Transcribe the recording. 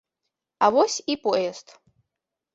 А вось і поезд.